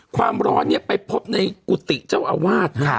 ความร้อนเนี่ยไปพบในกุฏิเจ้าอาวาส